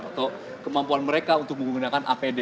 atau kemampuan mereka untuk menggunakan apd